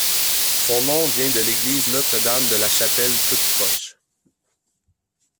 Son nom vient de l'église Notre-Dame de la Chapelle toute proche.